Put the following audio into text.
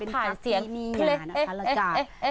ผ่านเสียงพี่เลยเอ๊ะเอ๊ะเอ๊ะ